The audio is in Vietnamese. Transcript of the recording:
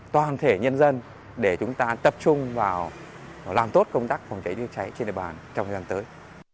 toàn thể nhân dân để chúng ta tập trung vào làm tốt công tác phòng cháy chữa cháy trên địa bàn trong thời gian tới